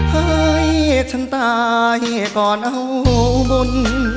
ให้ฉันตายก่อนเอาบุญ